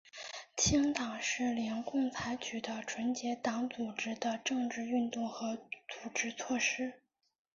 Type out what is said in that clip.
清党是联共采取的纯洁党组织的政治运动和组织措施。